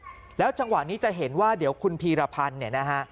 แล้วจังหวะนี้จะเห็นว่าเดี๋ยวคุณพีรพันธ์เนี่ยนะฮะ